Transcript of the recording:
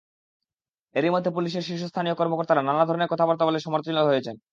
এরই মধ্যে পুলিশের শীর্ষস্থানীয় কর্মকর্তারা নানা ধরনের কথা বলে সমালোচিত হয়েছেন।